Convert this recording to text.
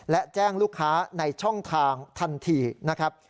และแจ้งลูกค้าในช่องทางทันทีนะครับ